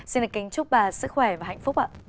xin kính chúc bà sức khỏe và hạnh phúc